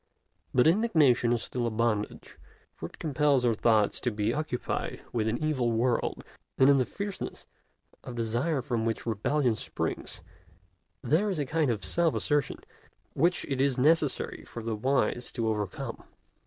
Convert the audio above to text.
But indignation is still a bondage, for it compels our thoughts to be occupied with an evil world; and in the fierceness of desire from which rebellion springs there is a kind of self assertion which it is necessary for the wise to overcome.